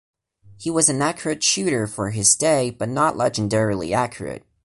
He was an accurate shooter for his day but not legendarily accurate.